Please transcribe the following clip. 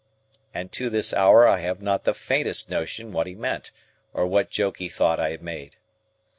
And to this hour I have not the faintest notion what he meant, or what joke he thought I had made.